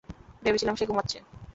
ভেবেছিলাম সে ঘুমাচ্ছে।